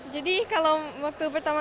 jadi kalau waktu pertama